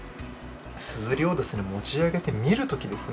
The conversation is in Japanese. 硯を持ち上げて見る時ですね。